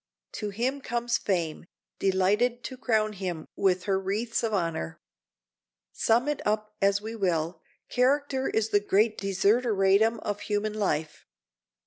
To him comes fame, delighted to crown him with her wreaths of honor. Sum it up as we will, character is the great desideratum of human life.